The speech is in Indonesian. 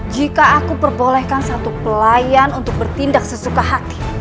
jika aku perbolehkan satu pelayan untuk bertindak sesuka hati